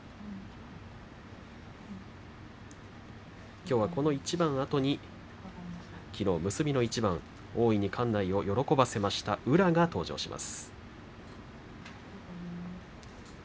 きょうはこの一番あとにきのう結びの一番大いに館内を喜ばせました宇良が登場します。